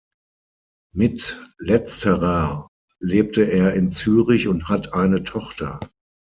Mit letzterer lebte er in Zürich und hat eine Tochter.